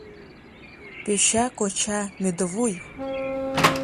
— Пӧча-коча, мӧдывуй!